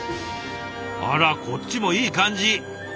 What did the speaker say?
あらこっちもいい感じ！